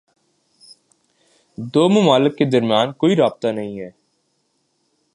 دو ممالک کے درمیان کوئی رابطہ نہیں ہے۔